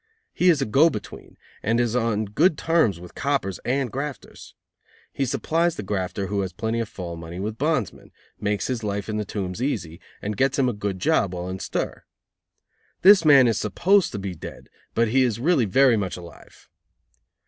He is a go between, and is on good terms with coppers and grafters. He supplies the grafter who has plenty of fall money with bondsmen, makes his life in the Tombs easy, and gets him a good job while in stir. This man is supposed to be "dead," but he is really very much alive.